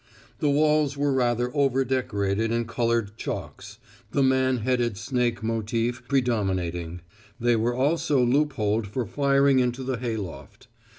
The walls were rather over decorated in coloured chalks, the man headed snake motive predominating; they were also loopholed for firing into the hayloft.